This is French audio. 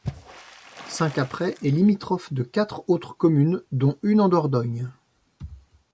Saint-Caprais est limitrophe de quatre autres communes, dont une en Dordogne.